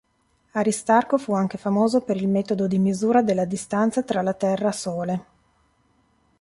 Aristarco fu anche famoso per il metodo di misura della distanza tra la Terra-Sole.